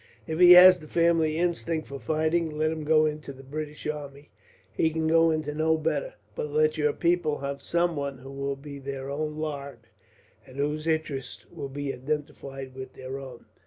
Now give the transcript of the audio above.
If he has the family instinct for fighting, let him go into the British army he can go into no better but let your people have some one who will be their own laird, and whose interests will be identified with their own."